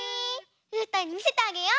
うーたんにみせてあげよう！